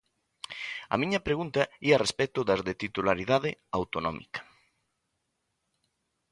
A miña pregunta ía a respecto das de titularidade autonómica.